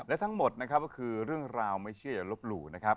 และทั้งหมดก็คือเรื่องราวไม่เชื่ออย่าลบหลู่